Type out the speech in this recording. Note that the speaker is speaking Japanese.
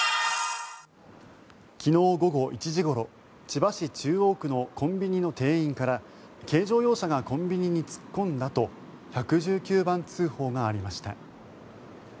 昨日午後１時ごろ千葉市中央区のコンビニの店員から軽乗用車がコンビニに突っ込んだと１１９番通報がありました。